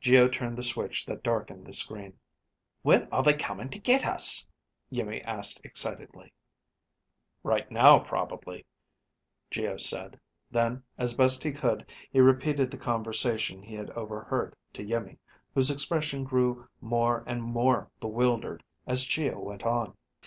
Geo turned the switch that darkened the screen. "When are they coming to get us?" Iimmi asked excitedly. "Right now, probably," Geo said. Then, as best he could, he repeated the conversation he had overheard to Iimmi, whose expression grew more and more bewildered as Geo went on.